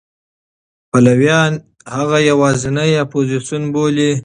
پلویان هغه یوازینی اپوزېسیون بولي.